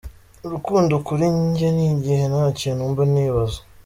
Urukundo kuri njye ni igihe nta kintu mba nibaza”.